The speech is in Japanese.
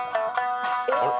「あれ？」